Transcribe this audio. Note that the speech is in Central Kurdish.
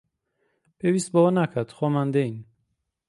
پێویست بەوە ناکات، خۆمان دێین